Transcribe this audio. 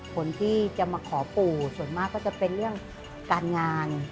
คนที่จะมาขอปู่ส่วนมากก็จะเป็นเรื่องการงาน